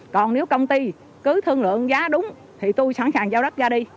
còn nếu công ty cứ thương lượng giá đúng thì tôi sẵn sàng giao đất ra đi